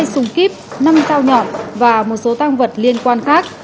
hai súng kíp năm dao nhọn và một số tăng vật liên quan khác